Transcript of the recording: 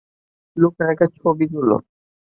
লোকটার একটা ছবি তুলো।